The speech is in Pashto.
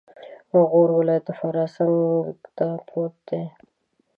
غور ولایت د فراه څنګته پروت دی